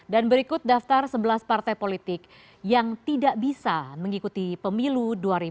dan berikut daftar sebelas partai politik yang tidak bisa mengikuti pemilu dua ribu dua puluh empat